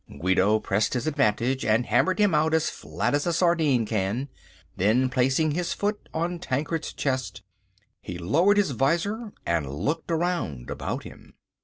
Guido pressed his advantage and hammered him out as flat as a sardine can. Then placing his foot on Tancred's chest, he lowered his vizor and looked around about him.